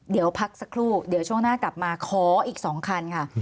เดี๋ยวพักสักครู่เดี๋ยวช่วงหน้ากลับมาขออีก๒คันค่ะ